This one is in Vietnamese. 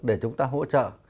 để chúng ta hỗ trợ